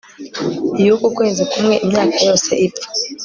yuku kwezi kumwe imyaka yose ipfa